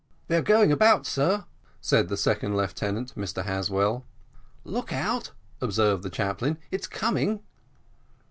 "They are going about, sir," said the second lieutenant, Mr Haswell. "Look out," observed the chaplain, "it's coming."